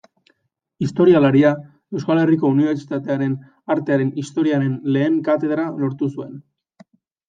Historialaria, Euskal Herriko Unibertsitatearen Artearen Historiaren lehen katedra lortu zuen.